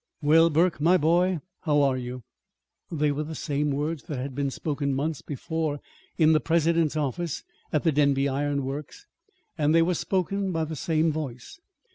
"Well, Burke, my boy, how are you?" They were the same words that had been spoken months before in the President's office at the Denby Iron Works, and they were spoken by the same voice.